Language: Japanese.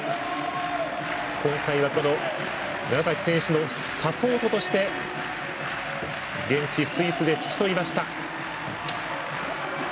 今回はこの楢崎選手のサポートとして現地スイスで付き添いました。